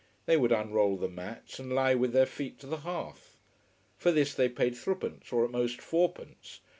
They would unroll the mats and lie with their feet to the hearth. For this they paid threepence, or at most fourpence.